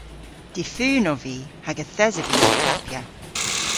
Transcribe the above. Difun ov vy hag yth esov vy ow klappya.